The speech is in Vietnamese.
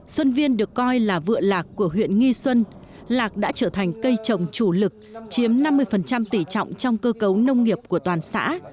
xuân viên được coi là vựa lạc của huyện nghi xuân lạc đã trở thành cây trồng chủ lực chiếm năm mươi tỷ trọng trong cơ cấu nông nghiệp của toàn xã